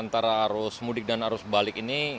antara arus mudik dan arus balik ini